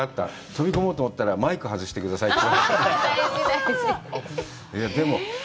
飛び込もうと思ったら、マイク外してくださいって。